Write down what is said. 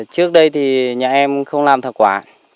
trước đây thì nhà em không làm thảo quả